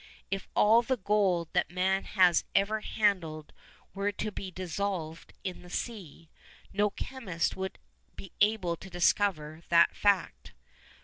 If all the gold that man has ever handled were to be dissolved in the sea, no chemist would be able to discover the fact.